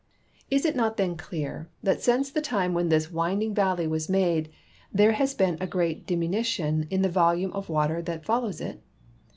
Is it not then clear that since the time when this winding valley was made there has been a great diminution in the volume of water that follows it